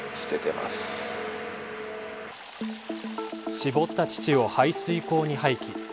搾った乳を排水溝に廃棄。